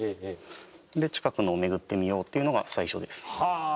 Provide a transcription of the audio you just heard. で近くのを巡ってみようっていうのが最初です。